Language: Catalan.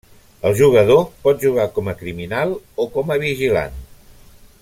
El jugador pot jugar com a criminal o com a vigilant.